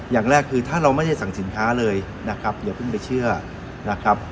อย่างแรกคือถ้าเราไม่ได้สั่งสินค้าเลยนะครับอย่าเพิ่งไปเชื่อนะครับ